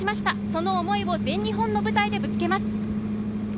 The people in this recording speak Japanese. その思いを全日本の舞台でぶつけます。